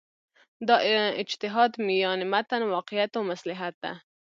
دا اجتهاد میان متن واقعیت و مصلحت ده.